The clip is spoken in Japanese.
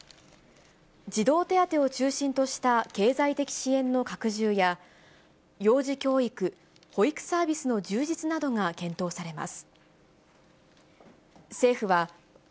児童手当を中心とした経済的支援の拡充や、幼児教育、保育サービスの充実などが検討されます。